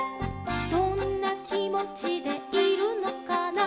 「どんなきもちでいるのかな」